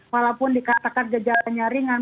walaupun dikatakan gejalanya ringan